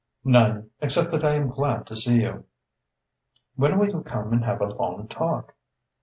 "None, except that I am glad to see you." "When will you come and have a long talk?"